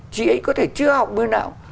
chị ấy có thể chưa học biên đạo